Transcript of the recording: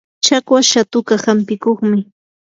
chakwas shatuka hampikuqmi.